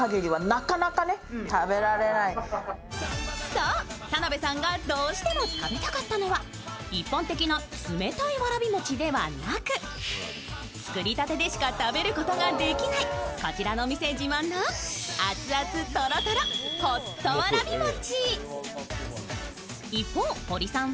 そう、田辺さんがどうしても食べたかったのは一般的な冷たいわらび餅ではなく作りたてでしか食べることができないこちらのお店自慢のアツアツ、とろとろほっとわらび餅。